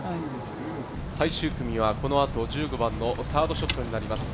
最終組はこのあと１５番のサードショットになります。